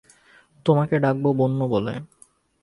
তোমাকে ডাকব বন্য বলে।